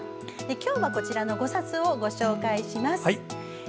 今日は、こちらの５冊をご紹介します。